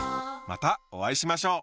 またお会いしましょう！